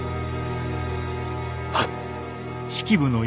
はっ。